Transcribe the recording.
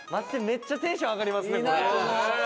めっちゃテンション上がりますねこれ。